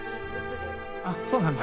あっそうなんだ。